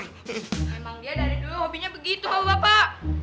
memang dia dari dulu hobinya begitu bapak bapak